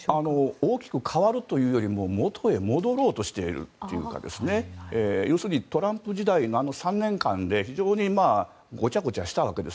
大きく変わるというよりも元に戻ろうとしているというか要するにトランプ時代の３年間で非常にごちゃごちゃした訳です。